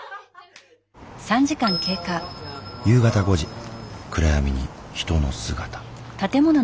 夕方５時暗闇に人の姿。